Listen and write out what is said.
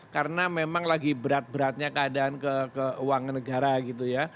karena memang lagi berat beratnya keadaan ke uang negara gitu ya